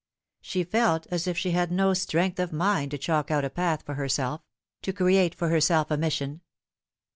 She felt as if she had no strength of mind to chalk out a path for herself to create for herself a mission.